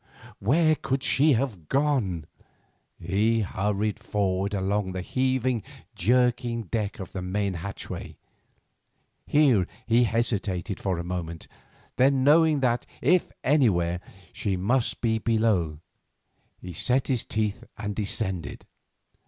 Where could she have gone? He hurried forward along the heaving, jerking deck to the main hatchway. Here he hesitated for a moment; then, knowing that, if anywhere, she must be below, set his teeth and descended.